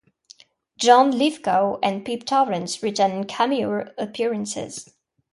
John Lithgow and Pip Torrens return in cameo appearances.